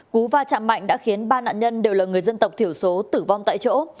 cú va chạm mạnh đã khiến ba nạn nhân đều là người dân tộc thiểu số tử vong tại chỗ